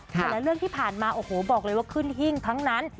แต่ละเรื่องที่ผ่านมาโอ้โหบอกเลยว่าขึ้นหิ้งทั้งนั้น